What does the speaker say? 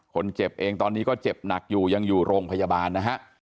คนเจ็บเองตอนนี้ก็เจ็บหนักอยู่ยังอยู่โรงพยาบาลนะฮะ